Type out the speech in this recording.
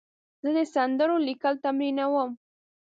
زه د سندرو لیکل تمرینوم.